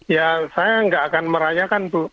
ya saya nggak akan merayakan bu